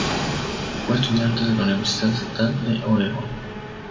Fue estudiante de la Universidad Estatal de Oregón.